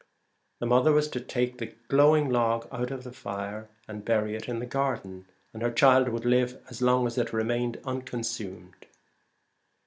The mother was to take the glowing log out of the fire and bury it in the garden, and her child would live as long as it remained unconsumed.